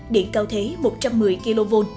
điện cao thế một trăm một mươi kv